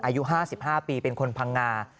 อายุ๕๕ปีเป็นคนพังงา